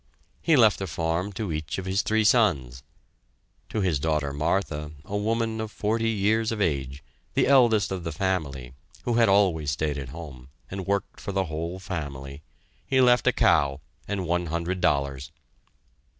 He left a farm to each of his three sons. To his daughter Martha, a woman of forty years of age, the eldest of the family, who had always stayed at home, and worked for the whole family he left a cow and one hundred dollars.